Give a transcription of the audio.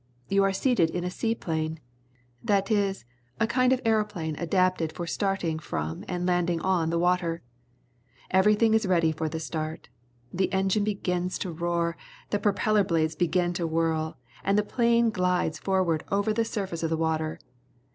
You are seated in a seaplane — that is, a kind of aeroplane adapt e d for starting from and landing on the water. I'j very thing is, ready for the start. ( The engine begins to roar, the pro peller blades begin to whirl, and the plane gUdes for ward over the sur face of the water.